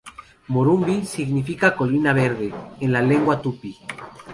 Morumbi significa "colina verde" en la lengua tupi.